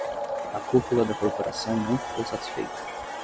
A cúpula da corporação não ficou satisfeita